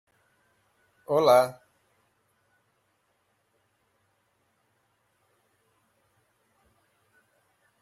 To save fuel, the Ariane rocket has been launched not far from the equator.